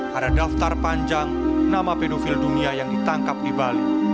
pada daftar panjang nama pedofil dunia yang ditangkap di bali